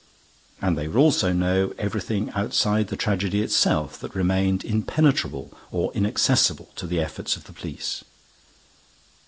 And they would also know everything, outside the tragedy itself, that remained impenetrable or inaccessible to the efforts of the police.